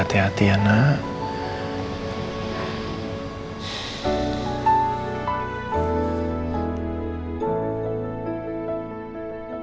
masih ada yang nunggu